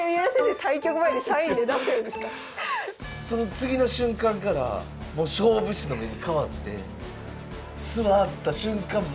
その次の瞬間からもう勝負師の目に変わって座った瞬間